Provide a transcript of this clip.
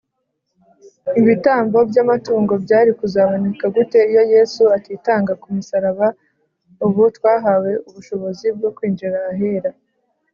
ibitambo by’ amatungo byari kuzaboneka gute iyo Yesu atitanga ku musaraba, ubu twahawe ubushobozi bwo kwinjira ahera.